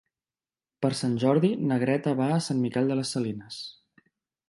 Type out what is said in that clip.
Per Sant Jordi na Greta va a Sant Miquel de les Salines.